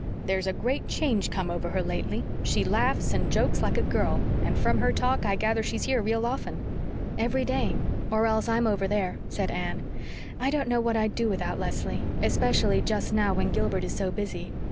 "There's a great change come over her lately. She laughs and jokes like a girl, and from her talk I gather she's here real often." "Every day or else I'm over there," said Anne. "I don't know what I'd do without Leslie, especially just now when Gilbert is so busy.